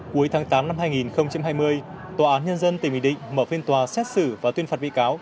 cuối tháng tám năm hai nghìn hai mươi tòa án nhân dân tỉnh bình định mở phiên tòa xét xử và tuyên phạt bị cáo